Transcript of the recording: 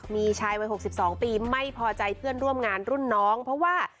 มีชายวัย๖๒ปีไม่พอใจเพื่อนร่วมงานรุ่นน้องเพราะว่า